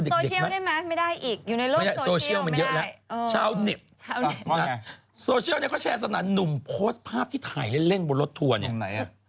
เดี๋ยวทุกคนก็ใช้กันเยอะนะแล้วเปลี่ยนคำใหม่เลยชาวเน็ต